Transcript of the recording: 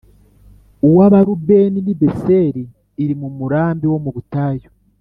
Uw’Abarubeni ni Beseri iri mu murambi wo mu butayu,